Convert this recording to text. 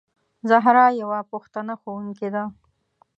زهرا یوه پښتنه ښوونکې ده.